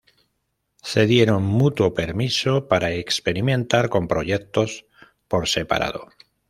Se dieron mutuo permiso para experimentar con proyectos por separado.